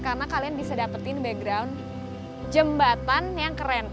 karena kalian bisa dapetin background jembatan yang keren